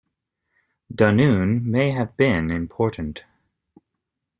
Dunoon may have been important.